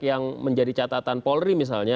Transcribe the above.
yang menjadi catatan polri misalnya